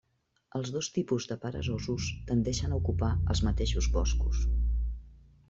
Els dos tipus de peresosos tendeixen a ocupar els mateixos boscos.